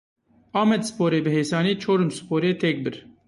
Amedsporê bi hêsanî Çorumsporê têk bir.